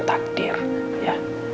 ini namanya surat takdir